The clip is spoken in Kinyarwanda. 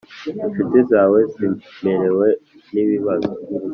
incuti zawe zimerewe n ibibazo